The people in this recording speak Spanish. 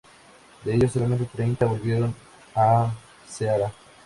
De ellos, solamente treinta volvieron a Ceará.